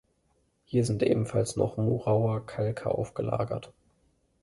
Hier sind ebenfalls noch Murauer Kalke aufgelagert.